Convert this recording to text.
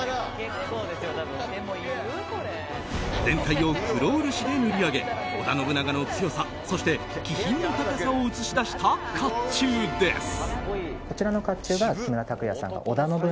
全体を黒漆で塗り上げ織田信長の強さそして気品の高さを映し出した甲冑です。